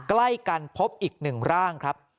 ใกล้กันพบอีก๑ร่างครับ